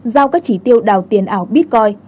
giao các chỉ tiêu đào tiền ảo bitcoin